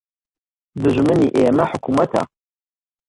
دوژمنی ئێمە حکومەتە